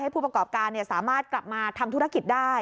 ผู้ประกอบการสามารถกลับมาทำธุรกิจได้